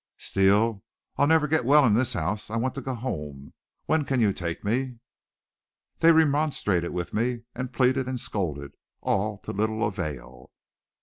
"Steele, I'll never get well in this house. I want to go home. When can you take me?" They remonstrated with me and pleaded and scolded, all to little avail.